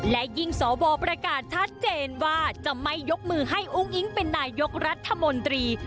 และยิ่งสวประกาศชัดเจนว่าจะไม่ยกมือให้อุ้งอิ๊งเป็นนายกรัฐมนตรี